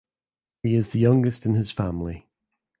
He is the youngest in his family.